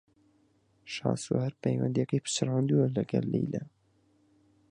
شاسوار پەیوەندییەکەی پچڕاندووە لەگەڵ لەیلا.